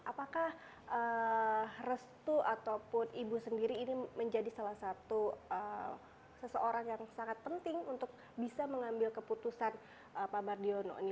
apakah restu ataupun ibu sendiri ini menjadi salah satu seseorang yang sangat penting untuk bisa mengambil keputusan pak mardiono